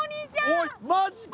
おいマジか！？